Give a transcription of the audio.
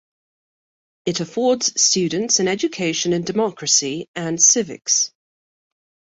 It affords students an education in democracy and civics.